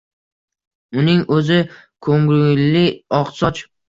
Uning o‘zi ko‘ngilli oqsoch: